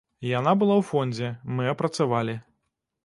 Яна была ў фондзе, мы апрацавалі.